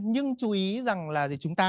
nhưng chú ý rằng là chúng ta